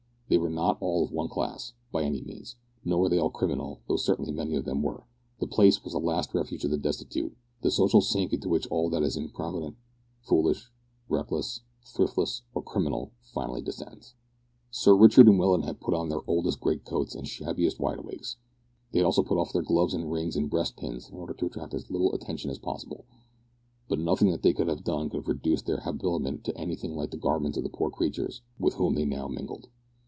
They were not all of one class, by any means; nor were they all criminal, though certainly many of them were. The place was the last refuge of the destitute; the social sink into which all that is improvident, foolish, reckless, thriftless, or criminal finally descends. Sir Richard and Welland had put on their oldest great coats and shabbiest wideawakes; they had also put off their gloves and rings and breastpins in order to attract as little attention as possible, but nothing that they could have done could have reduced their habiliments to anything like the garments of the poor creatures with whom they now mingled.